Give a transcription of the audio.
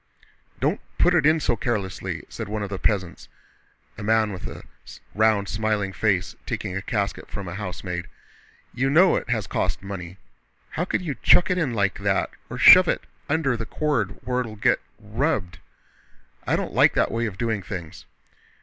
"Don't put it in so carelessly," said one of the peasants, a man with a round smiling face, taking a casket from a housemaid. "You know it has cost money! How can you chuck it in like that or shove it under the cord where it'll get rubbed? I don't like that way of doing things.